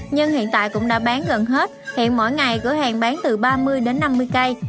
nhưng hiện tại cũng đã bán gần hết thì mỗi ngày cửa hàng bán từ ba mươi đến năm mươi cây